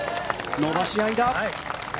伸ばし合いだ。